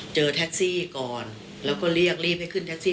เจอแท็กซี่ก่อนแล้วก็เรียกรีบให้ขึ้นแท็กซี่